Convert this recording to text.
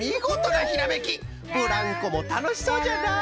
ブランコもたのしそうじゃな！